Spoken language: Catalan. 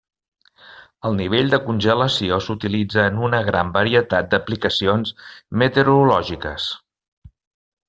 El nivell de congelació s'utilitza en una gran varietat d'aplicacions meteorològiques.